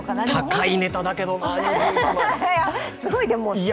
高いネタだけどな、２１万。